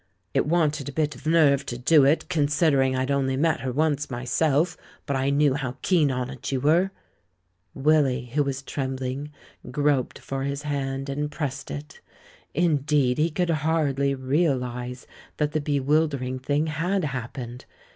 It wanted a bit of nerve to do it, considering I'd only met her once, myself, but I knew how keen on it you were !" Willy, who was trembling, groped for his hand, and pressed it. Indeed, he could hardly realise that the be wildering thing had happened.